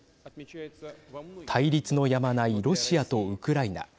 対立のやまないロシアとウクライナ。